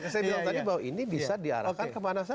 saya bilang tadi bahwa ini bisa diarahkan